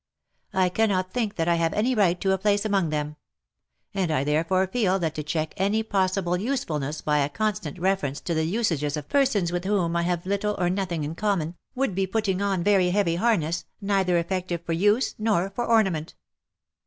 I cannot think that I have any right to a place among them ; and I therefore feel that to check any possible usefulness by a constant reference to the usages of persons with whom I have little or nothing in common, would be putting on very heavy harness, neither effective for use, nor for orna ment.